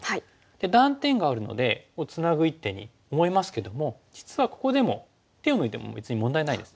断点があるのでツナぐ一手に思いますけども実はここでも手を抜いても別に問題ないです。